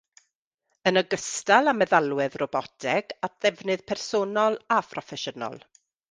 Yn ogystal â meddalwedd roboteg at ddefnydd personol a phroffesiynol.